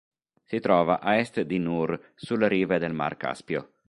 Si trova a est di Nur, sulle rive del mar Caspio.